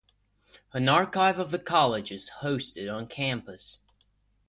An archive of the college is hosted on campus.